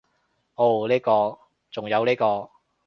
噢呢個，仲有呢個